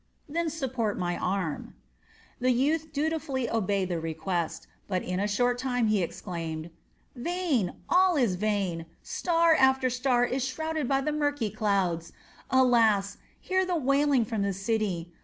"Then support my arm." The youth dutifully obeyed the request; but in a short time he exclaimed: "Vain, all is vain; star after star is shrouded by the murky clouds. Alas, hear the wailing from the city.